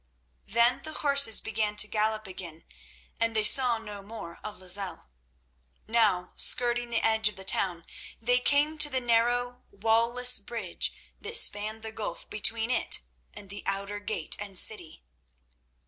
Then the horses began to gallop again, and they saw no more of Lozelle. Now, skirting the edge of the town, they came to the narrow, wall less bridge that spanned the gulf between it and the outer gate and city.